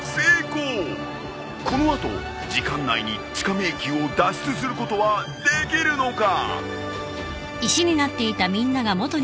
この後時間内に地下迷宮を脱出することはできるのか！？